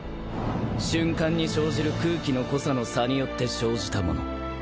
瞬間に生じる空気の濃さの差によって生じたもの。